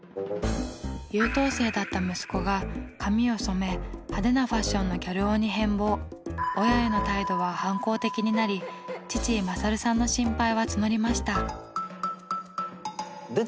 優等生だった息子が髪を染め派手なファッションの親への態度は反抗的になり父・勝さんの心配は募りました。